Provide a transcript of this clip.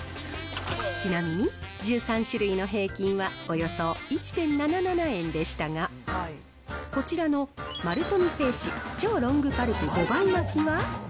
ちなみに１３種類の平均はおよそ１．７７円でしたが、こちらの丸富製紙超ロングパルプ５倍巻きは。